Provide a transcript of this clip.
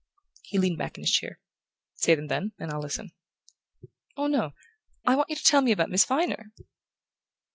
He leaned back in his chair. "Say them, then, and I'll listen." "Oh, no. I want you to tell me about Miss Viner."